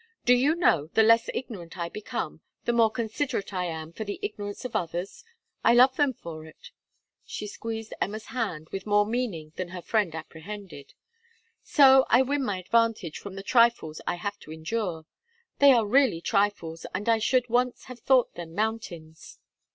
Do you know, the less ignorant I become, the more considerate I am for the ignorance of others I love them for it.' She squeezed Emma's hand with more meaning than her friend apprehended. 'So I win my advantage from the trifles I have to endure. They are really trifles, and I should once have thought them mountains!'